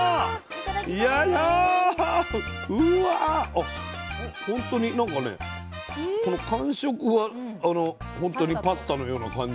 あっ本当になんかねこの感触が本当にパスタのような感じ。